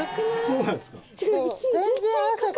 そうなんすか？